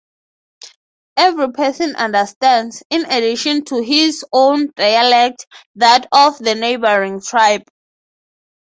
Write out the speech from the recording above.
Every person understands, in addition to his own dialect, that of the neighboring tribe.